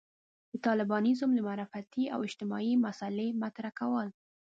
د طالبانيزم د معرفتي او اجتماعي مسألې مطرح کول.